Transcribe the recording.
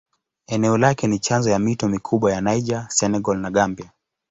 Eneo lake ni chanzo ya mito mikubwa ya Niger, Senegal na Gambia.